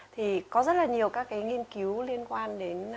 thì có rất là nhiều các cái nghiên cứu liên quan đến